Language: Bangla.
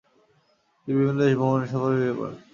তিনি বিভিন্ন দেশ ভ্রমণের সফরে বেরিয়ে পড়েন।